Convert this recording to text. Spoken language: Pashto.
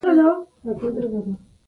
دا څښاک له چینو راټول شوی دی.